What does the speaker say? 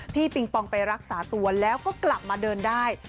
ปิงปองไปรักษาตัวแล้วก็กลับมาเดินได้